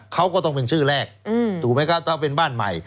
เขาก็ต้องเป็นชื่อแรกถูกไหมครับถ้าเป็นบ้านใหม่